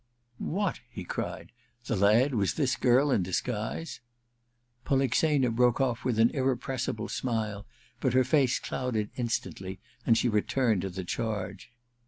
* What !' he cried, ' the lad was this girl in disffuise ?' l^olixena broke off with an irrepressible smile ; but her face clouded instandy and she returned to the charge.